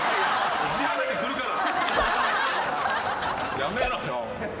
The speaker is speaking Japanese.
やめろよ。